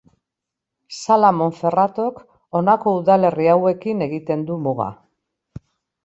Sala Monferratok honako udalerri hauekin egiten du muga.